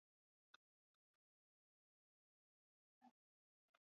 Asha kajiuuzu saa zima hajauka.